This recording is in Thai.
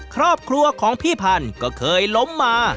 ครอบครัวของพี่พันธุ์ก็เคยล้มมา